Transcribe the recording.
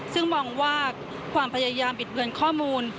ซึ่งมองว่าความพยายามบิดเบือนข้อมูล